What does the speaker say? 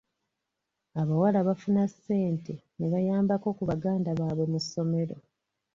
Abawala bafuna ssente ne bayambako ku baganda baabwe mu ssomero.